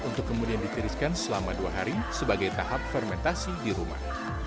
untuk kemudian ditiriskan selama dua hari sebagai tahap fermentasi di rumah